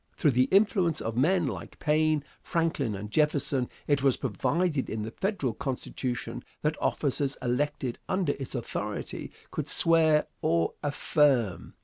Through the influence of men like Paine, Franklin and Jefferson, it was provided in the Federal Constitution that officers elected under its authority could swear or affirm.